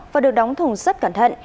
và được đóng thùng rất cẩn thận